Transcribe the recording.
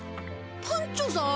パンチョさん？